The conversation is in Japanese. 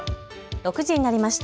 ６時になりました。